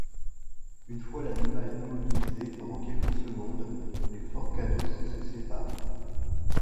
Une fois l'animal immobilisé pendant quelques secondes, les forcados se séparent.